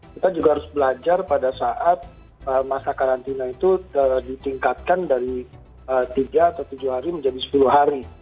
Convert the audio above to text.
kita juga harus belajar pada saat masa karantina itu ditingkatkan dari tiga atau tujuh hari menjadi sepuluh hari